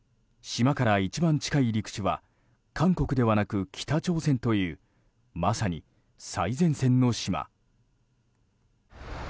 島から一番近い陸地は韓国ではなく北朝鮮というまさに、最前線の島。